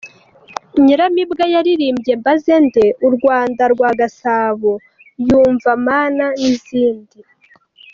Nyiranyamibwa yaririmbye ‘Mbaze nde’, ‘u Rwanda rwa Gasabo’, ‘Nyumva Mana’ n’izindi.